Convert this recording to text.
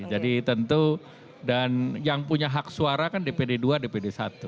jadi tentu dan yang punya hak suara kan dpd dua dpd satu